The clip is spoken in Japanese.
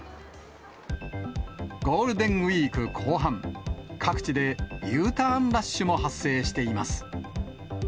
ゴールデンウィーク後半、各地でＵターンラッシュも発生しています。